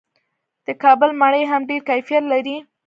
د کابل مڼې هم ډیر کیفیت لري.